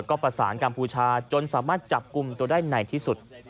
ก็ประสานกัมพูชาจนสามารถจับกลุ่มตัวได้ในที่สุด